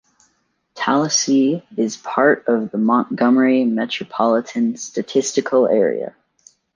Tallassee is part of the Montgomery Metropolitan Statistical Area.